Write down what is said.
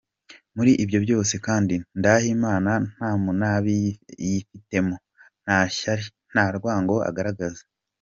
Muri ibyo byose kandi, Ndahimana nta munabi yifitemo, nta shyali, nta rwango agaragaza.